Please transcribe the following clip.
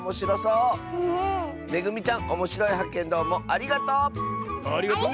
ありがとう！